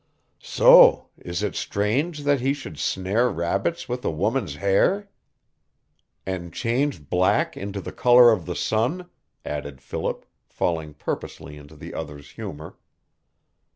So is it strange that he should snare rabbits with, a woman's hair?" "And change black into the color of the sun?" added Philip, falling purposely into the other's humor.